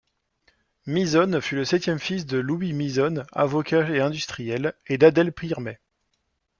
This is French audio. Misonne fut le septième fils de Louis Misonne, avocat et industriel, et d'Adèle Pirmez.